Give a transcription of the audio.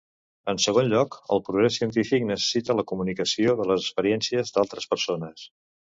En segon lloc, el progrés científic necessita la comunicació de les experiències d'altres persones.